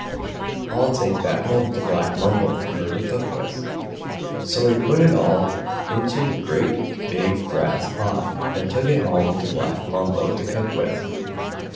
I'll take that home to Black Mumbo for her to cook with." So he put it all into the great big brass pot, and took it home to Black Mumbo to cook with.